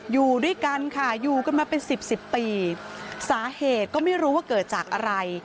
อยู่ด้วยกันค่ะอยู่กันมาเป็นสิบสิบปีสาเหตุก็ไม่รู้ว่าเกิดจากอะไร